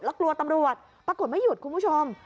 แล้วกลัวตำรวจปรากฏไม่หยุดคุณผู้ชม